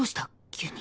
急に。